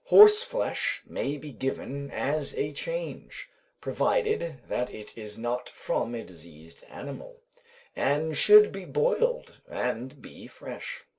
Horse flesh may be given as a change, provided that it is not from a diseased animal; and should be boiled, and be fresh.